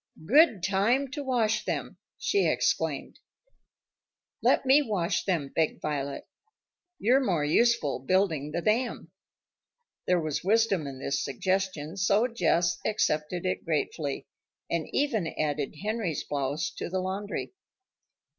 "Good time to wash them!" she exclaimed. "Let me wash them," begged Violet. "You're more useful building the dam." There was wisdom in this suggestion, so Jess accepted it gratefully, and even added Henry's blouse to the laundry.